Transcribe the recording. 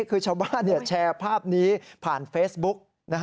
คือชาวบ้านแชร์ภาพนี้ผ่านเฟซบุ๊ก